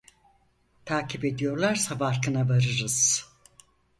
Takip ediyorlarsa farkına varırız…